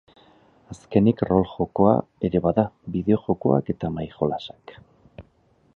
Azkenik rol jokoa ere bada, bideojokoak eta mahai jolasak.